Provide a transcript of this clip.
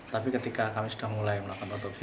tapi ketika kami sudah mulai melakukan otopsi